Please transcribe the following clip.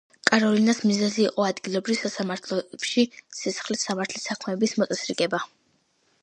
კაროლინას მიზანი იყო ადგილობრივ სასამართლოებში სისხლის სამართლის საქმეების მოწესრიგება.